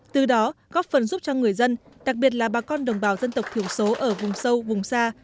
từ đó góp phần giúp cho người dân đặc biệt là bà con đồng bào dân tộc thiểu số ở vùng sâu vùng xa